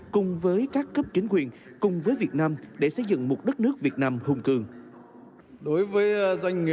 cùng với các cấp chính quyền cùng với việt nam để xây dựng một đất nước việt nam hùng cường